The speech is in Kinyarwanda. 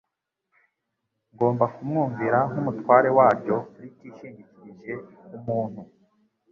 ngomba kumwumvira nk'Umutware waryo ritishingikirije ku muntu